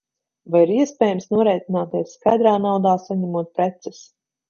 Vai ir iespējams norēķināties skaidrā naudā, saņemot preces?